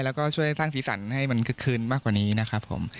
แล้วก็ช่วยสร้างสีสันให้มันคึกคืนมากกว่านี้นะครับผม